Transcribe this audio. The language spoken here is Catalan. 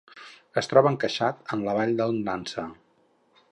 Es troba encaixat en la vall del Nansa.